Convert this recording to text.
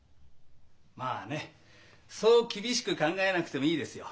まあねそう厳しく考えなくてもいいですよ。